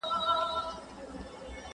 ¬ کلاله، وکه خپله سياله.